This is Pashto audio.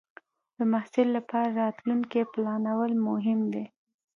د محصل لپاره راتلونکې پلانول مهم دی.